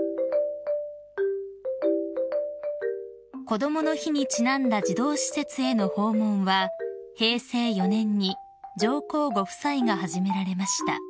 ［こどもの日にちなんだ児童施設への訪問は平成４年に上皇ご夫妻が始められました］